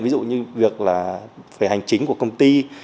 ví dụ như việc là phải hành chính của công ty